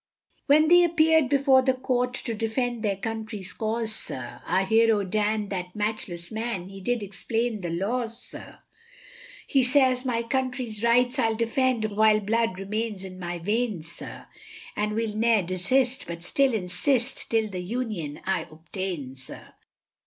When they appeared before the court to defend their country's cause, sir, Our hero Dan, that matchless man, he did explain the laws, sir; He says, my country's rights I'll defend while blood remains in my veins, sir, And we'll ne'er desist, but still insist, till the Union I obtain, sir.